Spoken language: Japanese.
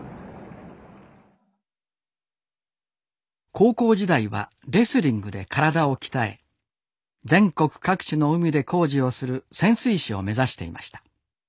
高校時代はレスリングで体を鍛え全国各地の海で工事をする潜水士を目指していました。